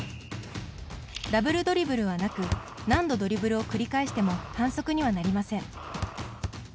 ダブルドリブルはなく何度ドリブルを繰り返しても反則にはなりません。